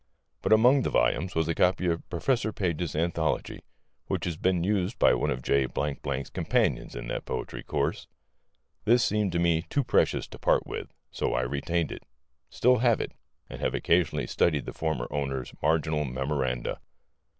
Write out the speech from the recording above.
But among the volumes was a copy of Professor Page's anthology which had been used by one of J 's companions in that poetry course. This seemed to me too precious to part with, so I retained it; still have it; and have occasionally studied the former owner's marginal memoranda.